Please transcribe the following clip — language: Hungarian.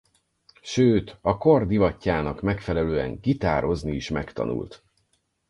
Sőt a kor divatjának megfelelően gitározni is megtanult.